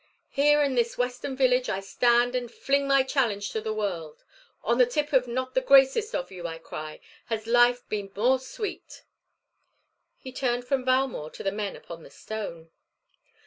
Here in this western village I stand and fling my challenge to the world. 'On the lip of not the greatest of you,' I cry, 'has life been more sweet.'" He turned from Valmore to the men upon the stone.